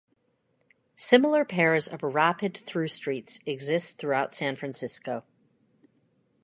Similar pairs of rapid through-streets exist throughout San Francisco.